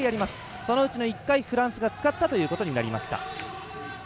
そのうちの１回フランスが使ったということになりました。